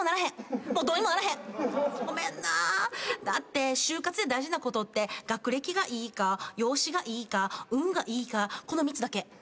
だって就活で大事なことって学歴がいいか容姿がいいか運がいいかこの３つだけ。